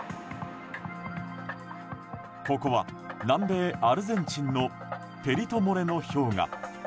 ここは、南米アルゼンチンのペリトモレノ氷河。